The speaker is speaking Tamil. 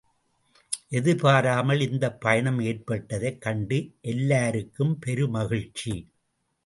எதிர்பாராமல் இந்தப் பயணம் ஏற்பட்டதைக் கண்டு எல்லாருக்கும் பெருமகிழ்ச்சி.